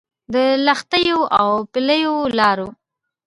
د لښتيو او پلیو لارو